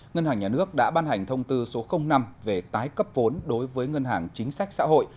ngân hàng nhà nước đã ban hành thông tư số năm về tái cấp vốn đối với ngân hàng chính sách xã hội